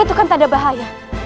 itu kan tanda bahaya